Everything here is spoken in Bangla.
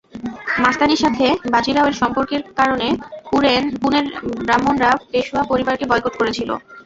মাস্তানির সাথে বাজিরাওয়ের সম্পর্কের কারণে পুনের ব্রাহ্মণরা পেশোয়া পরিবারকে বয়কট করেছিল।